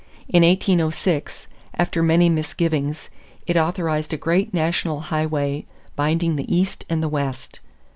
In 1806, after many misgivings, it authorized a great national highway binding the East and the West.